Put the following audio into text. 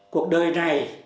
cuộc đời này